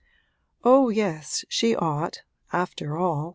'Oh yes, she ought after all!'